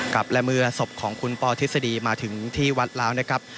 ครับและเมื่อศพของคุณปอทฤษฎีมาถึงที่วัดแล้วนะครับ